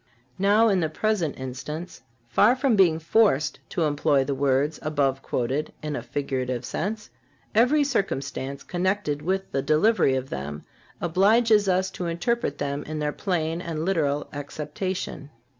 Now, in the present instance, far from being forced to employ the words above quoted in a figurative sense, every circumstance connected with the delivery of them obliges us to interpret them in their plain and literal acceptation.